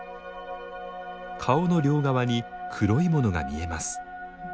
顔の両側に黒いものが見えます。